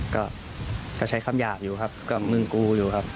ก็ก็ใช้คำหยาบอยู่ครับก็มึงกูอยู่ครับ